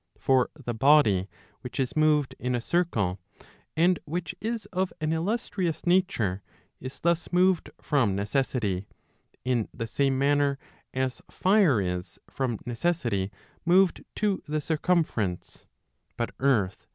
For the body which is moved in a circle, and which is of an illustrious nature, is thus moved from necessity, in the same manner as fire is from necessity moved to the circumference, but earth to the '" Ubi autem in corporeis penitus."